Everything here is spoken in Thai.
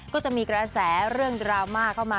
ก็จะมีกระแสเรื่องดราม่าเข้ามา